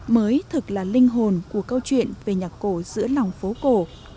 mới thực là linh hồn của câu chuyện về nhạc cổ giữa lòng phố cổ